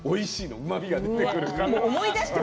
うまみが出てくるから。